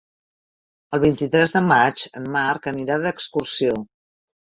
El vint-i-tres de maig en Marc anirà d'excursió.